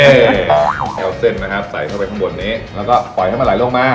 เอาเส้นใส่เข้าไปข้างบนนี้แล้วก็ปล่อยให้มาหลายโลกมา